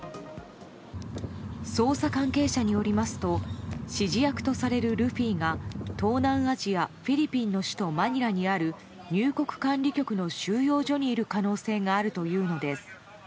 捜査関係者によりますと指示役とされるルフィが東南アジア、フィリピンの首都マニラにある入国管理局の収容所にいる可能性があるというのです。